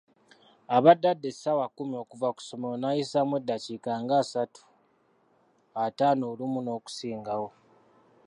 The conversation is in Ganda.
Abadde adda essaawa ekkumi okuva ku ssomero nayisaamu eddakiika ng'asatu, ataano olumu n'okusingawo.